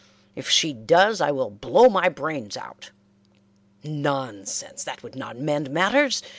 If she does I will blow my brains out." "Nonsense! That would not mend matters.